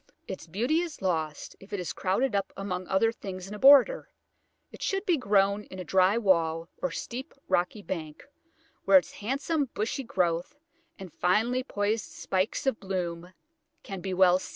Its beauty is lost if it is crowded up among other things in a border; it should be grown in a dry wall or steep rocky bank, where its handsome bushy growth and finely poised spikes of bloom can be well seen.